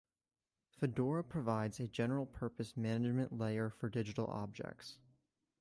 Fedora provides a general-purpose management layer for digital objects.